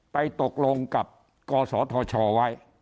ตกลงกับกศธชไว้